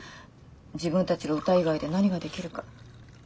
自分たちが歌以外で何ができるか。